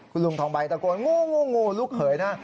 คุณลุงทองใบตะโกนงูงูลูกเขยนะ